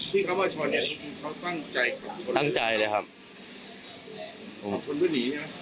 พี่เขาว่าชนยังตั้งใจตั้งใจเลยครับชนด้วยหนีนะ